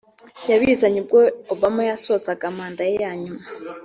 yabizanye ubwo Obama yasozaga manda ye ya nyuma